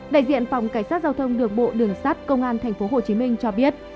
đại diện phòng cảnh sát giao thông đường bộ đường sát công an tp hcm cho biết